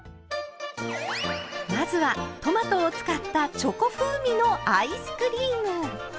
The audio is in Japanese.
まずはトマトを使ったチョコ風味のアイスクリーム。